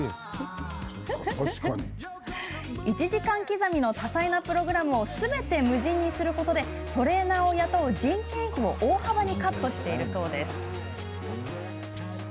１時間刻みの多彩なプログラムをすべて無人にすることでトレーナーを雇う人件費を大幅にカットしています。